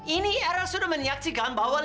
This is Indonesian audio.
ini era sudah menyaksikan bauan